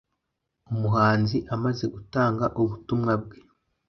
Umuhanuzi amaze gutanga ubutumwa bwe